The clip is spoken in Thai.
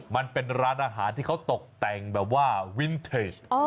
มันเป็นร้านอาหารที่เขาตกแต่งแบบว่าวินเทจ